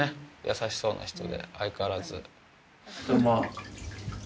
優しそうな人で相変わらず。